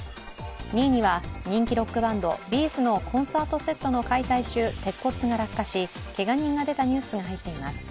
２位には人気ロックバンド、Ｂ’ｚのコンサートセットの解体中、鉄骨が落下しけが人が出たニュースが入っています。